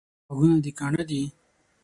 غوږونه دي کاڼه دي؟